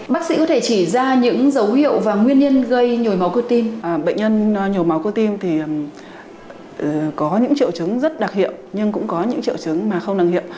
bệnh nhân nhồi máu cơ tim thì có những triệu chứng rất đặc hiệu nhưng cũng có những triệu chứng mà không đặc hiệu